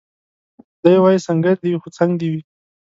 دی وايي سنګر دي وي خو څنګ دي وي